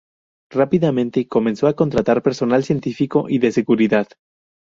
Rápidamente comenzó a contratar personal científico y de seguridad.